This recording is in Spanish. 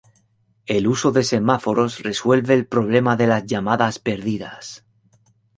El uso de semáforos resuelve el problema de las llamadas perdidas.